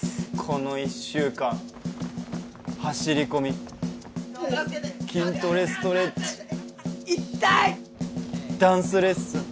この１週間走り込み筋トレストレッチ痛い！ダンスレッスン